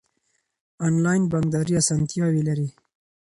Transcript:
انلاین بانکداري اسانتیاوې لري.